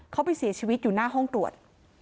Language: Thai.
เขาไปเสียชีวิตอยู่หน้าห้องตรวจ